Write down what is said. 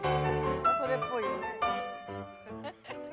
それっぽいよね。